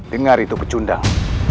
dengar itu pecundang